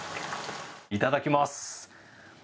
いただきます。